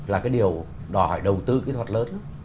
là cái điều đòi đầu tư kỹ thuật lớn